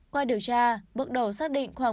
qua điều tra bước đầu xác định là ông t đã bị bắt